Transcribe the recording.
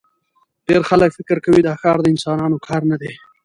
ډېری خلک فکر کوي دا ښار د انسانانو کار نه دی.